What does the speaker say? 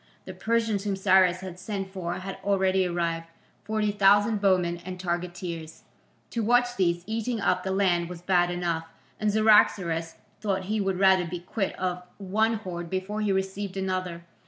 The Persians whom Cyrus had sent for had already arrived, forty thousand bowmen and targeteers. To watch these eating up the land was bad enough, and Cyaxares thought he would rather be quit of one horde before he received another.